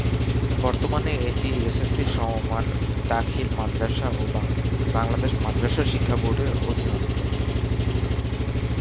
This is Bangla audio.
বর্তমানে এটি এসএসসি সমমান দাখিল মাদ্রাসা ও বাংলাদেশ মাদ্রাসা শিক্ষাবোর্ডের অধীনস্থ।